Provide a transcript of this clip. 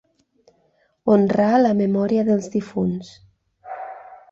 Honrar la memòria dels difunts.